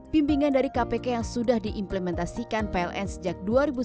bimbingan dari kpk yang sudah diimplementasikan pln sejak dua ribu sembilan belas